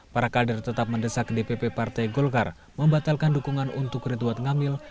para kader tetap mendesak dpp partai golkar membatalkan dukungan untuk ridwan kamil